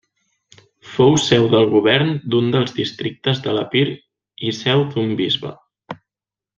Fou seu del govern d'un dels districtes de l'Epir i seu d'un bisbe.